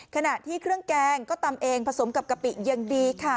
ขณะที่เครื่องแกงก็ตำเองผสมกับกะปิยังดีค่ะ